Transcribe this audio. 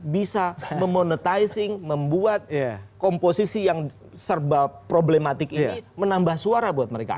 bisa memonetizing membuat komposisi yang serba problematik ini menambah suara buat mereka